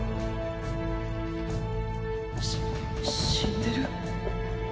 し死んでる？